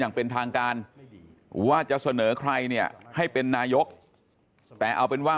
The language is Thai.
อย่างเป็นทางการว่าจะเสนอใครเนี่ยให้เป็นนายกแต่เอาเป็นว่า